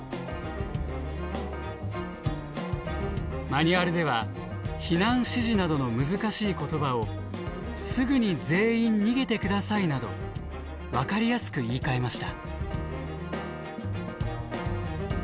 マニュアルでは避難指示などの難しい言葉を「すぐに全員逃げてください」など分かりやすく言いかえました。